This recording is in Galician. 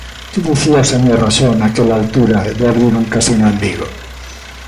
¿Que dicía o señor Raxó, naquela altura, de abrir un casino en Vigo?